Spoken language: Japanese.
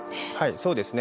そうですね。